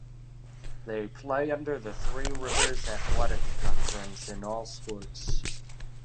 They play under the Three Rivers Athletic Conference in all sports.